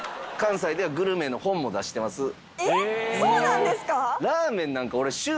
そうなんですか？